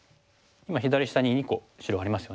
今左下に２個白ありますよね。